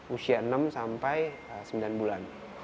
usia enam sampai sembilan bulan